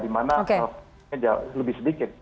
dimana lebih sedikit